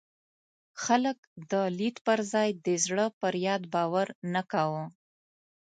خلک د لیک پر ځای د زړه پر یاد باور نه کاوه.